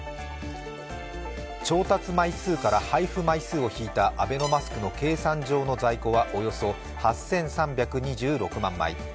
調達枚数から配布枚数を引いたアベノマスクの計算上の在庫はおよそ８３２６万枚。